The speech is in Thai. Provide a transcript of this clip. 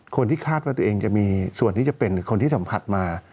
คนที่คาดว่าตัวเองจะมีส่วนที่จะเป็นคนที่สัมผัสมา